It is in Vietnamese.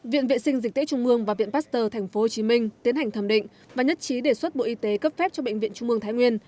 viện vệ sinh dịch tễ trung mương và viện pasteur tp hcm tiến hành thẩm định và nhất trí đề xuất bộ y tế cấp phép cho bệnh viện trung mương thái nguyên